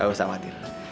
gak usah khawatir